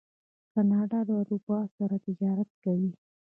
کاناډا له اروپا سره تجارت کوي.